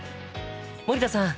森田さん